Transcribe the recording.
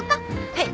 はい。